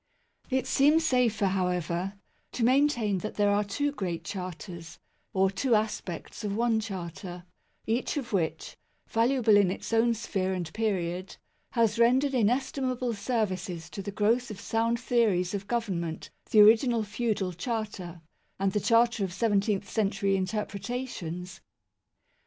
It seems safer, however, to maintain that there are two Great Charters (or two aspects of one charter) each of which, valuable in its own sphere and period, has rendered inestimable services to the growth of sound theories of Government the original feudal charter, and the charter of seventeenth century inter pretations.